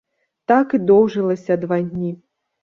Так і доўжылася два дні.